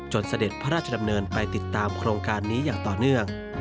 เสด็จพระราชดำเนินไปติดตามโครงการนี้อย่างต่อเนื่อง